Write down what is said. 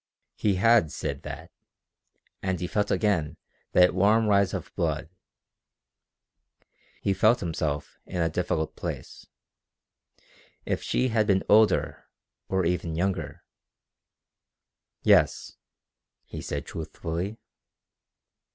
He had said that, and he felt again that warm rise of blood. He felt himself in a difficult place. If she had been older, or even younger.... "Yes," he said truthfully.